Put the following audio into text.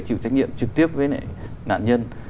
chịu trách nhiệm trực tiếp với loại nạn nhân